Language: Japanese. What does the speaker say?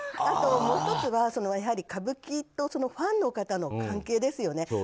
あともう１つは、歌舞伎とファンの方の関係ですよね。